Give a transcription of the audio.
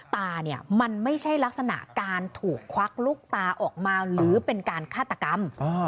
ตาเนี่ยมันไม่ใช่ลักษณะการถูกควักลูกตาออกมาหรือเป็นการฆาตกรรม